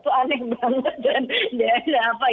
tuh aneh banget